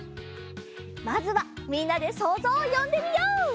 まずはみんなでそうぞうをよんでみよう！